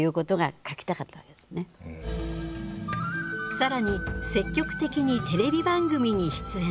更に積極的にテレビ番組に出演。